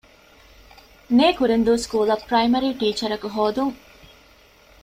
ނޭކުރެންދޫ ސްކޫލަށް ޕްރައިމަރީ ޓީޗަރަކު ހޯދުން